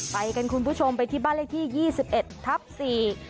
ไปกันคุณผู้ชมไปที่บ้านเลขที่ยี่สิบเอ็ดทับสี่